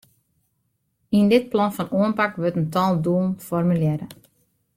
Yn dit plan fan oanpak wurdt in tal doelen formulearre.